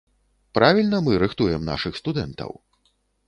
Правільна мы рыхтуем нашых студэнтаў?